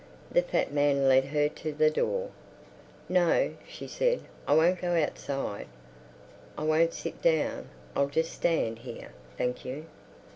The fat man led her to the door. "No," she said, "I won't go outside. I won't sit down. I'll just stand here, thank you."